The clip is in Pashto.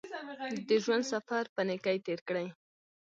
د ژوند سفر په نېکۍ تېر کړئ.